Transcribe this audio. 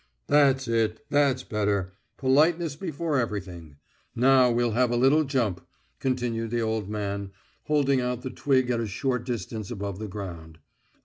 "That's it, that's better. Politeness before everything. Now we'll have a little jump," continued the old man, holding out the twig at a short distance above the ground.